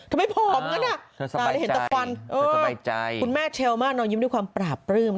ทำไมภอมกันน่ะตาเห็นตะฟันคุณแม่เชลม่านอ๋อยิ้มที่ความปราบปลื้ม